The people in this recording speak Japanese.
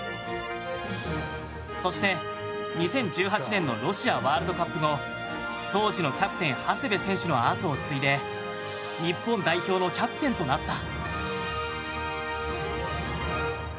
そして、２０１８年のロシアワールドカップ後当時のキャプテン、長谷部選手の後を継いで日本代表のキャプテンとなった。